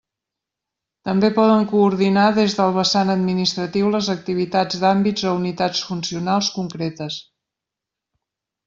També poden coordinar des del vessant administratiu les activitats d'àmbits o unitats funcionals concretes.